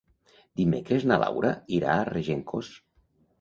Dimecres na Laura irà a Regencós.